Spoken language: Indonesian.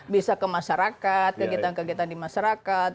bisa ke masyarakat kegiatan kegiatan di masyarakat